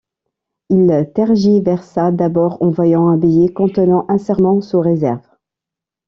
Il tergiversa d'abord, envoyant un billet contenant un serment sous réserves.